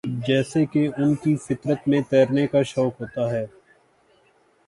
جیسے کہ ان کی فطر ت میں تیرنے کا شوق ہوتا ہے